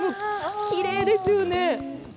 きれいですよね。